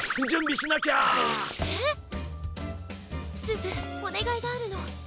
すずおねがいがあるの。